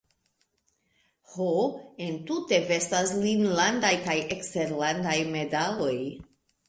Ho, entute vestas lin landaj kaj eksterlandaj medaloj.